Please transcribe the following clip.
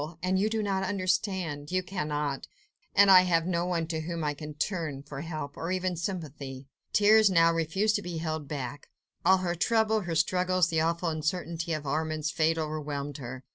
... and you do not understand ... you cannot ... and I have no one to whom I can turn ... for help ... or even for sympathy. ..." Tears now refused to be held back. All her trouble, her struggles, the awful uncertainty of Armand's fate overwhelmed her.